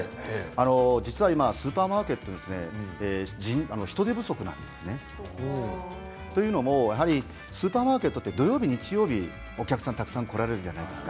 実は今、スーパーマーケットは人手不足なんですね。というのもスーパーマーケットは土曜日、日曜日お客さんがたくさん来られるじゃないですか。